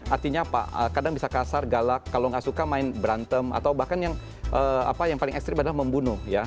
artinya apa kadang bisa kasar galak kalau nggak suka main berantem atau bahkan yang paling ekstrim adalah membunuh ya